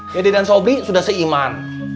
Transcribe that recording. dan sobri sudah seiman